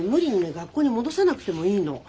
学校に戻さなくてもいいの。